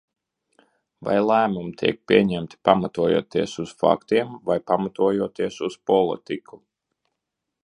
Vai lēmumi tiek pieņemti, pamatojoties uz faktiem vai pamatojoties uz politiku?